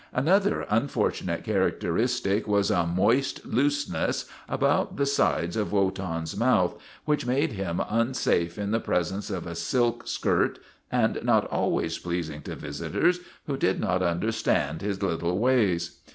Another unfortunate characteristic was a moist looseness about the sides of Wotan's mouth which made him unsafe in the presence of a silk skirt and 226 WOTAN, THE TERRIBLE not always pleasing to visitors who did not under stand his little ways.